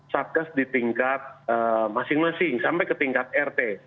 masih masih sampai ke tingkat rt